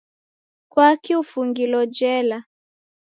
Kwaki ufungilo jela?